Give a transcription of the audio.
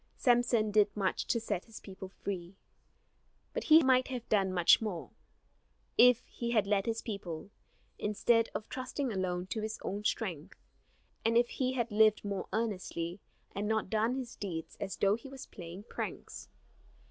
Samson did much to set his people free; but he might have done much more, if he had led his people, instead of trusting alone to his own strength; and if he had lived more earnestly, and not done his deeds as though he was playing pranks.